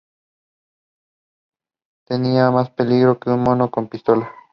Tenía más peligro que un mono con pistola